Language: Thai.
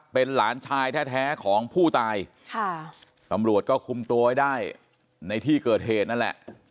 เป็นหลานชายแท้ของผู้ตายค่ะตำรวจก็คุมตัวไว้ได้ในที่เกิดเหตุนั่นแหละ